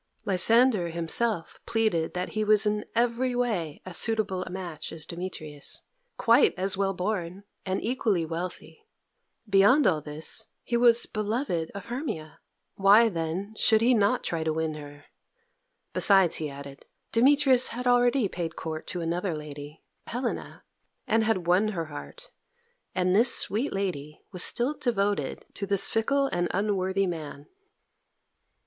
Lysander himself pleaded that he was in every way as suitable a match as Demetrius quite as well born and equally wealthy. Beyond all this, he was beloved of Hermia. Why, then, should he not try to win her? Besides, he added, Demetrius had already paid court to another lady Helena and had won her heart; and this sweet lady was still devoted to this fickle and unworthy man.